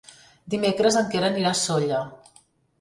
Dimecres en Quer anirà a Sóller.